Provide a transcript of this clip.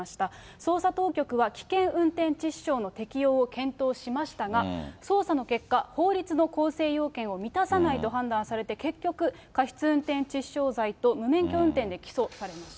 捜査当局は危険運転致死傷の適用を検討しましたが、捜査の結果、法律の構成要件を満たさないと判断されて、結局、過失運転致死傷罪と無免許運転で起訴されました。